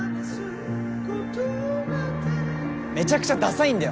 めちゃくちゃダサいんだよ